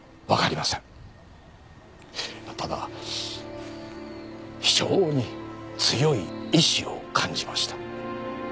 ただ非常に強い意思を感じました。